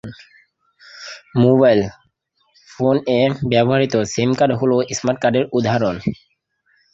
Mobile phone এ ব্যবহৃত sim card হল স্মার্ট কার্ডের উদাহরণ।